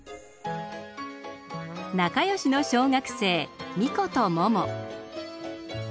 仲良しの小学生ミコとモモ。